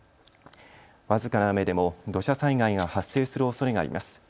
僅かな雨でも土砂災害が発生するおそれがあります。